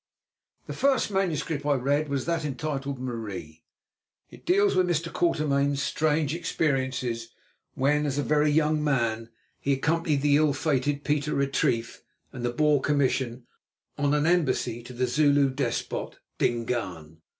The first manuscript I read was that entitled "Marie." It deals with Mr. Quatermain's strange experiences when as a very young man he accompanied the ill fated Pieter Retief and the Boer Commission on an embassy to the Zulu despot, Dingaan.